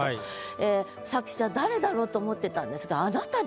ええ作者誰だろうと思ってたんですが先生